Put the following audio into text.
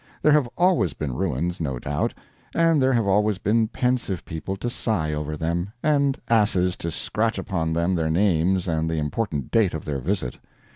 There have always been ruins, no doubt; and there have always been pensive people to sigh over them, and asses to scratch upon them their names and the important date of their visit.